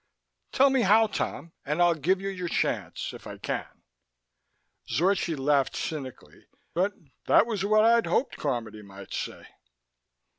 Tell me how, Tom, and I'll give you your chance, if I can." Zorchi laughed cynically, but that was what I'd hoped Carmody might say.